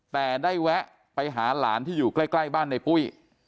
แต่ได้แวะไปหาหลานที่อยู่ใกล้บ้านในปุ้ย